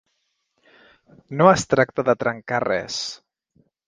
No es tracta de trencar res.